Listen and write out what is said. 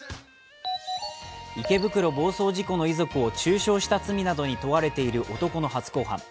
池袋暴走事故の遺族を中傷した罪などに問われている男の初公判。